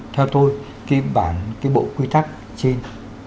theo tôi cái bản cái bộ quy tắc trên